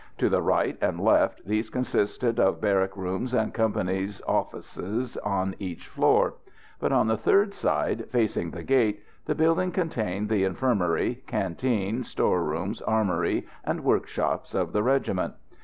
To the right and left these consisted of barrack rooms and companies' offices on each floor; but on the third side, facing the gate, the building contained the infirmary, canteen, store rooms, armoury and workshops of the regiment.